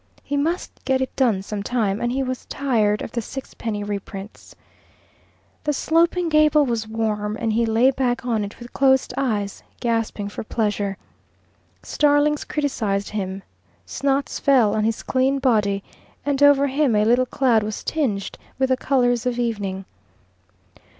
He must get it done some time, and he was tired of the six penny reprints. The sloping gable was warm, and he lay back on it with closed eyes, gasping for pleasure. Starlings criticized him, snots fell on his clean body, and over him a little cloud was tinged with the colours of evening.